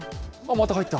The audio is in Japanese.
また入った。